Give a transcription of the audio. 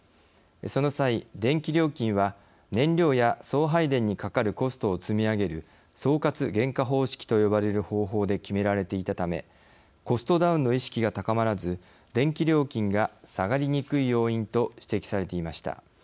その際、電気料金は燃料や送配電にかかるコストを積み上げる総括原価方式と呼ばれる方法で決められていたためコストダウンの意識が高まらず電気料金が下がりにくい要因と指摘されていました。